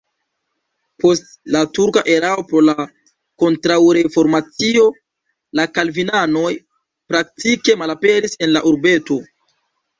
Post la turka erao pro la kontraŭreformacio la kalvinanoj praktike malaperis en la urbeto.